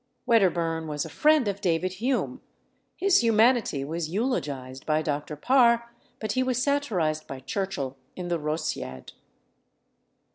Wedderburn was a friend of David Hume; his humanity was eulogised by Dr. Parr, but he was satirised by Churchill in the Rosciad.